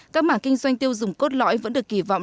các mảng kinh doanh tiêu dùng cốt lõi vẫn được kỳ vọng